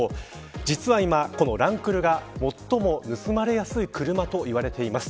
実は今、このランクルが最も盗まれやすい車といわれています。